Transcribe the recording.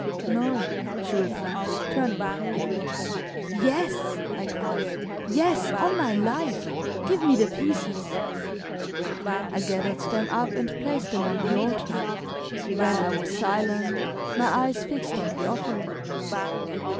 "No," she replied, turning pale. "Yes," I cried, "yes, on my life. Give me the pieces." I gathered them up and placed them on the altar, then I was silent, my eyes fixed on the offering.